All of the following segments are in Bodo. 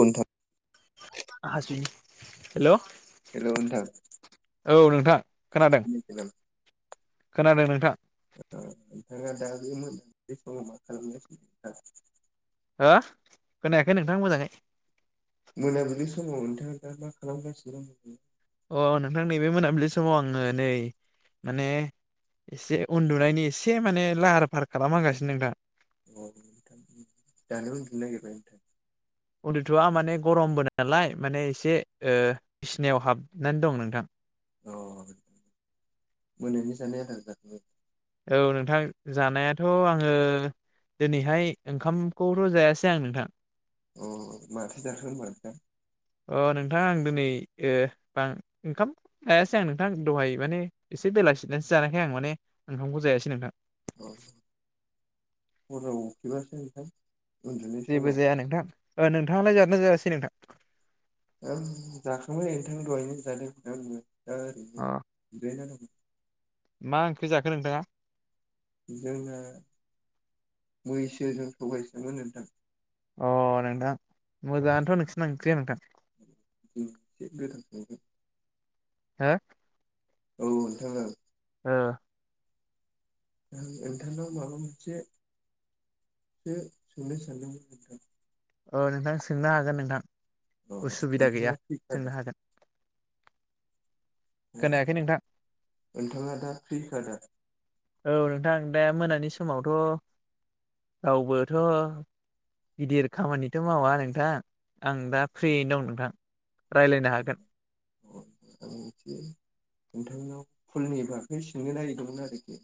नोंथां। आसि हेल' हेल' नोंथां। नोंथां खोनादों खोनादों नोंथां। नोंथाङा दा बे समाव मा खालामगासिनो नोंथाङा। हा खोनायाखै नोंथां मोजाङै। मोनाबिलि समाव नोंथाङा दा मा खालामगासिनो दं। अ नोंथां नैबे मोनाबिलि समाव आङो नै माने एसे उन्दुनायनि एसे माने लाहार फाहार खालामहांगासिनो दं दा। औ नोंथां दानो उन्दु नागिरबाय नोंथां। उन्दुथ'आ माने गरमबो नालाय माने एसे बिसिनायाव हाबनानै दं नोंथां। अ मोनानि जानाय आदार जाबाय औ नोंथां जानायाथ' आङो। दिनैहाय ओंखामखौथ' जायासै आं नोंथां। अ माथो जाखो होनबा नोंथां। अ नोंथाङा आं दिनै ए आं ओंखाम जायासै आं नोंथां दहाय माने एसे बेलासि सेसो जानायखाय माने ओंखामखौ जायासै नोंथां। अ हराव उखैब्लासो नोंथां। उन्दुनाय जेबो समाव जाया नोंथां नोंथाङालाय जादोना जायासै नोंथां। जाखांबाय नोंथां दहायनो जादों होनना बुङो दा ओरैनो अ जिरायना दं। मा ओंख्रि जाखो नोंथाङा? जोंना मैसो जों सबायजोंमोन नोंथां। अ नोंथां मोजाङानोथ' नोंसोरना ओंख्रिया नोंथां। दिनै एसे गोथाव संदों हा औ नोंथां औ। [unintelligible] नोंथांखौ माबा मोनसे [unintelligible] औ नोंथां सोंनो हागोन नोंथां। अ उसुबिदा नोंथाङा गैया फ्रिखादा सोंनो हागोन। हो खोनायाखै नोंथां नोंथाङा दा फ्रि खाडा औ नोंथां दा मोनानि समावथ' रावबोथ'। गिदिर खामानिथ' मावा नोंथां आं दा फ्रियैनो दं नोंथां। रायलायनो हागोन [unintelligible] नोंनाव फुलनि बागै सोंनो नागिरदोंमोन आरोखि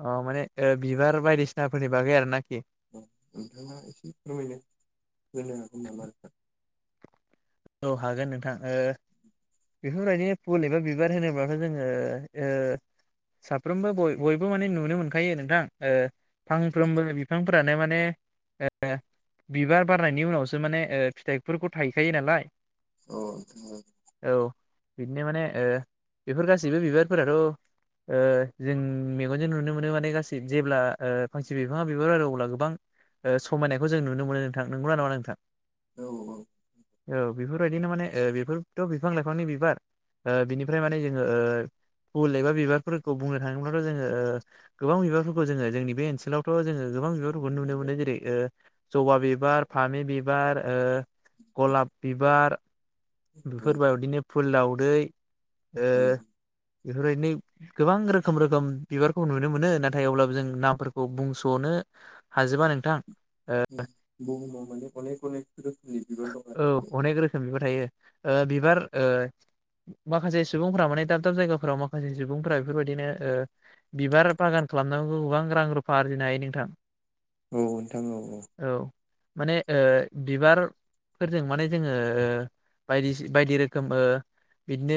अ माने बिबार बायदिसिनाफोरनि बागै आरो नाखि औ नोंथाङा एसे फोरमायनो होनो हागोन नामा नोंथां। औ हागोन नोंथां। बेफोरबायदिनो फुल एबा बिबार होनोब्लाथ' जोङो। साफ्रोमबो बयबो माने नुनो मोनखायो नोंथां फांफ्रोमबो बिफांफोरानो माने बिबार बारनायनि उनावसो माने फिथाइफोरखौ थाहैखायो नालाय। औ औ बिदिनो माने बेफोर गासैबो बिबारफोराथ' ओ जों मेगनजों नुनो मोनो माने गासै जेब्ला फांसे बिफाङा बिबार आरो अब्ला गोबां ओ समायनायखौ जों नुनो मोनो नोंथां नंगौना नाङा नोंथां? औ औ औ बेफोरबायदिनो माने ओ बेफोरथ' बिफां लाइफांनि बिबार बिनिफ्राय माने जोङो ओ फुल एबा बिबारफोरखौ बुंनो थाङोब्लाथ' जोङो ओ गोबां बिबारफोरखौ जोङो जोंनि बे ओनसोलावथ' जोङो गोबां बिबारफोरखौ नुनो मोनो जेरै ओ जबा बिबार फामि बिबार औ गलाब बिबार औ बेफोरबायदिनो फुल दावदै ओ उम बेफोरबायदिनो गोबां रोखोम रोखोम बिबारखौ नुनो मोनो नाथाय अब्लाबो जों नामफोरखौ बुंस'नो हाजोबा नोंथां बुहुमाव माने अनेक अनेक रोखोमनि बिबार दं औ आरोखि अनेक रोखोम बिबार थायो ओ बिबार ओ माखासे सुबुंफ्रा माने दाब दाब जायगाफोराव माखासे सुबुंफोरा बेफोरबायदिनो ओ बिबार बागान खालामनांगौ गोबां रां रुफा आरजिनो हायो नोंथां औ नोंथां औ औ माने ओ बिबार फोरजों माने जोङो ओ बायदिसि बायदि रोखोम ओ बिदिनो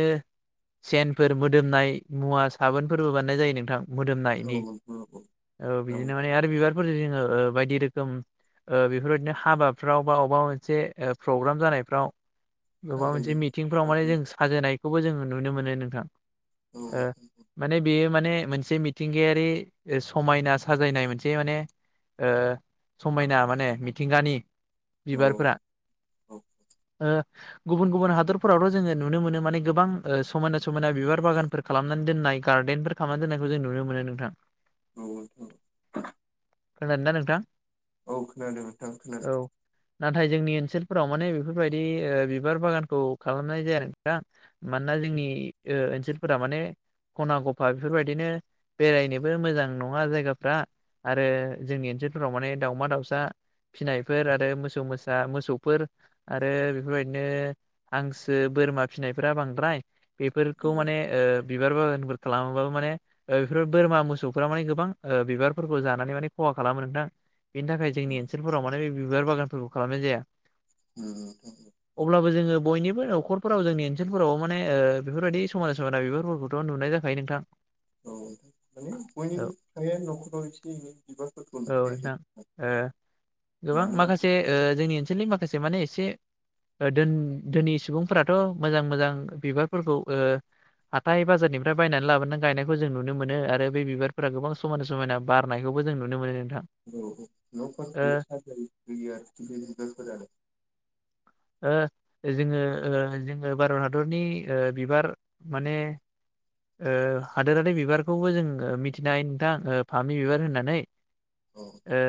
सेनफोर मोदोमनाय मुवा साबोनफोरबो बानायनाय जायो नोंथां मोदोमनायनि औ औ औ औ बिदिनो माने आरो बिबारफोरजों जोङो बायदि रोखोम ओ बेफोरबायदिनो हाबाफ्राव बा बबेबा मोनसे प्रग्राम जानायफ्राव गोबा मोनसे साजायो मिथिंफ्राव औ माने जों साजायनायखौबो जों नुनो मोनो नोंथां औ माने बेयो माने मोनसे मिथिंगायारि समायना साजायनाय मोनसे माने ओ समायना माने मिथिंगानि बिबारफोरा औ ओ गुबुन गुबुन हादरफोरावथ' जोङो नुनो मोनो माने गोबां समायना समायना बिबार बागानफोर खालामनानै दोन दोन्नाय गार्दडेनफोर खालामनानै दोननायखौ जों नुनो मोनो नोंथां औ औ खोनादों दा नोंथां? औ खोनादों नोंथां औ खोनादों नाथाय जोंनि ओ सोरफोराव माने बेफोरबायदि ओ बिबार बागानखौ खालामनाय जाया नोंथां मानोना जोंनि ओनसोलफोरा माने खना गफा बेफोरबायदिनो बेरायनोबो मोजां नङा जायगाफ्रा आरो जोंनि ओनसोलफोराव माने दाावमा दाउसा फिनायफोर आरो मोसौ मोसा मोसौ फोर आरो बेफोरबायदिनो हांसो बोरमा फिसिनायफोरा बांद्राय बेफोरखौ नंगौ माने ओ बिबार बागान खालामोबाबो माने बेफोर बोरमा मोसौफोरा माने गोबां बिबारफोरखौ जानानै माने खहा खालामो नोंथां बेनि थाखाय जोंनि ओनसोलफोराव माने बे बिबार बागानफोरखौ खालामनाय जाया औ नोंथां‌ औ अब्लाबो जोङो बयनिबो नखरफोराव जोंनि ओनसोलफोराव माने बेफोरबायाददि समायना समायना बेफोरफोरखौथ' नुनाय जाखायो नोंथां औ माने औ बयनिबो फ्रायानो न'खराव एसे एनै बिबारफोरखौ औ नुखायो नोंथां जों ओ गोबां मानोना माखासे जोंनि ओनसोलनि माखासे माने एसे दोन-दोनि सुबुंफोराथ' मोजां मोजां बिबारफोरखौ हाथाय बाजारनिफ्राय बायनानै लाबोनानै गायनायखौ जों नुनो मोनो आरो बे बिबारफोरा गोबां समायना समायना बारनायखौ जों नुनो मोनो नों [unintelligible] ओ। जोङो ओ जोङो भारत हादरनि ओ बिबार माने ओ हादोरारि बिबारखौबो जों मिथिनो हायो नोंथां फामि बिबार होननानै। औ ओ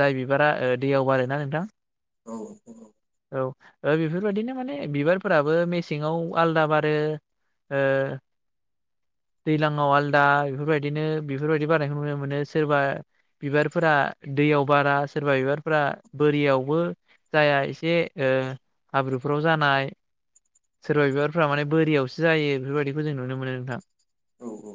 जाय बिबारा ओ दैयाव बारोना नोंथां? औ-औ। औ ओ बेफोरबायदिनो माने बिबारफोराबो मेसेंआव आलदा बारो। ओ [inaudible] दैलज्लांआव आलदा बेफोरबायदिनो-बेफोरबायदि बारनायखौ नुनो मोनो सोरबा बिबारफोरा दैयाव बारा सोरबा बिबारफ्रा बोरियावबो जायाहा एसे ओ हाब्रुफ्राव जानाय सोरबा बिबारफ्रा माने बोरियावसो जायो बेफोरबायदिखौ जों नुनो मोनो नोंथां। औ-औ।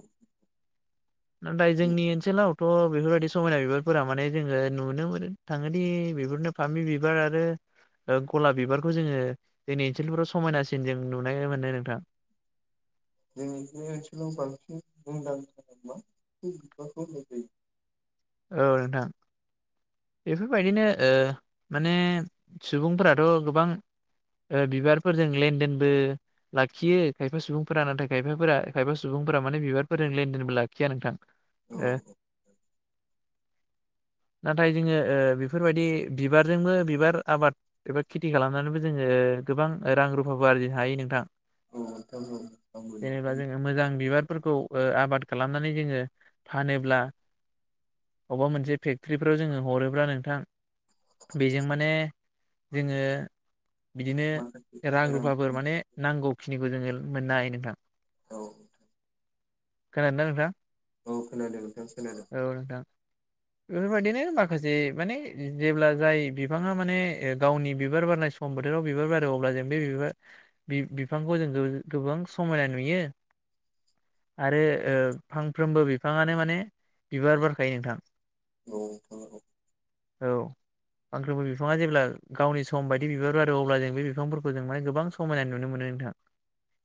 नाथाय जोंनि ओनसोलावथ' बेफोरबायादि समायना बिबारफोरा माने जोङो नुनो मोनो थाङोदि बेफोरनो फामि बिबार आरो ओ गलाब बिबारखौ जोङो जोंनि ओनसोलफोराव समायनासिन जों नुनाय मोननाय नोंथां। जोंनि बे ओनसोलाव बांसिन मुंदांखा मा [unintelligible] बिबार बारनाय थायो। औ नोंथां। बेफोरबायदिनो ओ माने सुबुंफोराथ' गोबां ओ बिबारफोरजों लेनदेनबो लाखियो खायफा सुबुंफोरा नाथाय खायफाफोरा खायफा सुबुं फोरा माने बिबारफोरजों लेनदेनबो लाखिया नोंथां। औ नाथाय जोङो ओ बेफोरबायदि बिबारजोंबो बिबार आबाद एबा खेति खालामनानैबो जोङो गो बां रां रुफा आरजिनो हायो नोंथां। औ नोंथां औ आंबो जेनेबा नुदों जो मोजां बिबार फोरखौ ओ आबाद खालामनानै जोङो फानोब्ला अबेबा मोनसे फेक्टरि फोराव जोङो हरोब्ला नोंथां बेजों माने जोङो बिदिनो रां रुफाफोर माने नांगौखिनिखौ जोङो मोननो हायो नोंथां। औ। खोनादोना नोंथां? औ खोनादों नोंथां खोनादों। औ नोंथां बेफोरबायदिनो माखासे माने जेब्ला जाय बिफाङा माने गावनि बिबार बारनाय सम बोथोराव बिबार बारो अब्ला जों बे बिबार बि-बिफांखौ जों गो-गोबां समायना नुयो। [inaudible] आरो ओ फांफ्रोमबो बिफाङानो माने बिबार बारखायो नोंथां। औ थां। औ। आंखोबो बिफाङा जेब्ला गावनि सम बायदि बिबार बारो अब्ला जों बे बिफांफोरखौ जों माने गोबां समायना नुनो मोनो। नोंथां।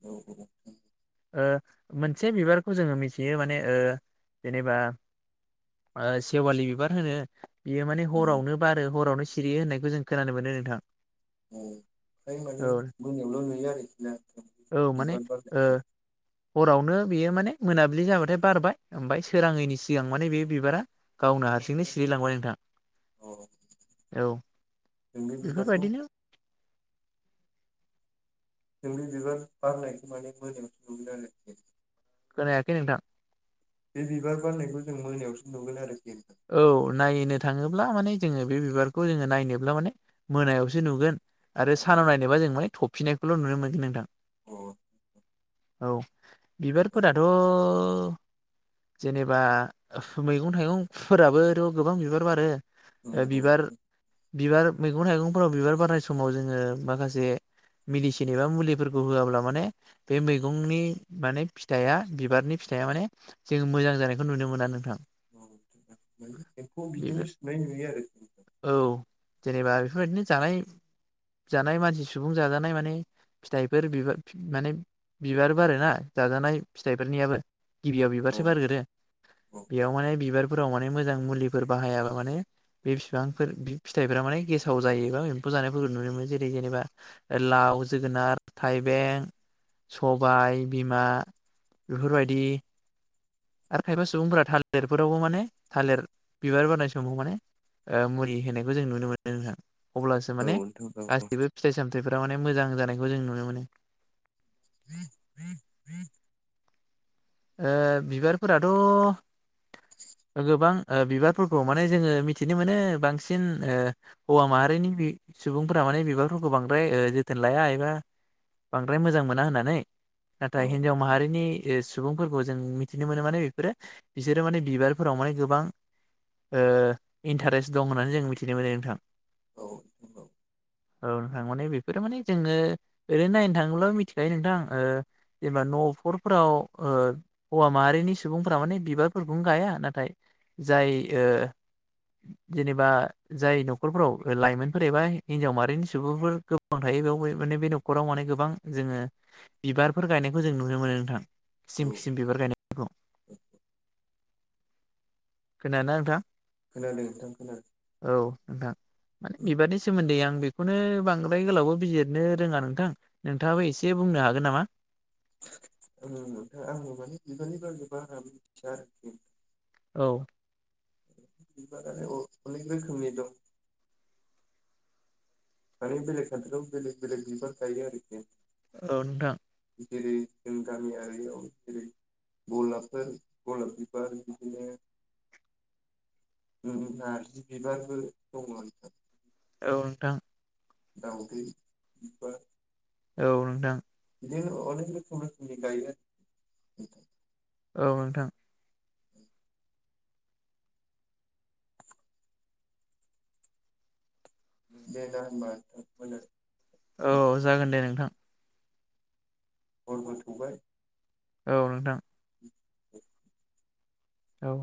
औ। ओ मोनसे बिबारखौ जोङो मिथियो माने ओ जेनेबा [inaudible] ओ सेवालि बिबार होनो बियो माने औ हरावनो बारो हरावनो सि रियो होननायखौ जों खोनानो मोनो नोंथां। औ ओमफ्राय माने औ मोनायावल' नुयो आरो इदि ना? औ माने बिबार ओ बारनायखौ हरावनो बेयो माने मोनाबिलि जाबाथाय बारबाय ओमफ्राय सोराङैनि सिगां माने बे बिबारा गावनो हारसिंनो सिरिलांबाय अ नोंथां। औ जोंनि बिबारखौ बेफोरबायदिनो नोंनि बिबार बारनायखो माने मोनायाव नुयोआरो। खोनायाखै नोंथां। बे बिबार गारनायखौ जों मोनायावसो नुगोन आरोखि। नोंथां औ नायनो थाङोब्ला माने जोङो बे बिबारखौ जोङो नायनोब्ला माने मोनायावसो नुगोन। आरो सानाव नायनोबा जों माने थफिननायखौल' नुनो मोनगोन नोंथां। [inaudible] औ। बिबारफोराथ' जेनेबा मैगं थाइगंफोराबोथ' गोबां बिबार बारो। औ औ। बिबार बिबार मैगं थाइगंफोराव बिबार बारनाय समाव जोङो माखासे मिडिसिन एबा मुलिफोरखौ होआब्ला माने बे मैगंनि माने फिथाइया बिबारनि फि थाइया माने जों मोजां जानायखौ नुनो मोना नोंथां। औ एम्फौ बिदिनो बेफोर सुनाय नुयो आरो। औ जेनेबा बेफोरबायदिनो जानाय जानाय मानसि सुबुं जाजानाय माने फिथाइफोर बिबा माने बिबार बारोना जाजानाय फिथाइफोरनियाबो। गिबियाव बिबारसो औ बारगोरो। औ बेयाव माने बिबार फोराव माने मोजां मुलिफोर बाहायाबा माने बे फिफांफोर फि-फिथाइफोरा गेसाव बा एम जानायफोरखौ नुनो मोनो। जेरै जेनेबा लाव, जोगोनार, थाइबें, सबाय बिमा बेफोरबायदि आरो खायफा सुबुंफोरा थालेरफोरावबो माने थालेर बिबार बारनाय समाव माने ओ मुरि होनायखौ जों नुनो मोनो नोंथां। अब्लासो औ माने नोंथां औ औ गासिबो फिथाइ सामथायाइफोरा माने मोजां जानायखौ जों नुनो मोनो। [inaudible] ओ बिबारफोराथ' [inaudible] गोबां ओ बिबारफोरखौ माने जोङो मिथिनो मोनो बांसिन ओ हौवा माहारिनि बि सुबुंफोरा माने बिबारफोरखौ बांद्राय ओ जोथोन लाया एबा बांद्राय मोजां मोना होननानै। औ नाथाय हिनजाव नोंथां माहारिनि ओ सु बुंफोरखौ जों मिथिनो मोनो माने बेफोरो बिसोरो माने बिबारफोराव माने गोबां ओ इन्थारेस दं होननानै जों मिथिनो मोनो नोंथां। औ नंगौ। औ नोंथां। माने बेफोरो माने जोङो ओरैनो नायनो थाङोब्ला मिथिखायो नोंथां जेनबा न' अफरफोराव ओ हौवा माहारिनि सुबुंफोरा माने बिबारफोरखौनो गाया। नाथाय जाय ओ जेनेबा जाय न'खरफोराव लाइमोनफोर एबा हिनजाव माहारिनि सुबुंफोर गोबां थायो बेयाव माने बे न'खराव माने गोबां जोङो बिबारफोर गायनायखौ जों नुनो मोनो नोंथां। खिसिम औ खिसिम बिबार गायनायफोरखौ। खोनादोंना नोंथां? खोनादों नोंथां खोनादों औ नोंथां। माने बिबारनि सोमोन्दै आं बेखौनो बांद्राय गोलावबो बिजिरनो रोङा नोंथां। नोंथाङाबो एसे बुंनो हागोन नामा? आङो नोंथां माने बिबारनि बागै बारा मिथिया आरोखि। औ। बिबारालाय अ-अनेक रोखोमनि दं। माने बेलेग [unintelligible] बेलेग बेलेग बिबार गायो आरोखि। औ नोंथां। जेरै जों गामियारियाव जेरै गलाबफोर, गलाब बिबार बिदिनो नारजि बिबारबो दङ नोंथां। औथट नोंथां। दाउदै बिबार। औ नोंथां। [unintelligible] अनेख रोखोम रोखोमनि गायो [unintelligible] औ नोंथां [inaudible] [unintelligible] औ जागोन दे नोंथां। हरबो थौबाय। औ नोंथां। औ। औ।